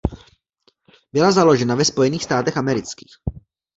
Byla založena ve Spojených státech amerických.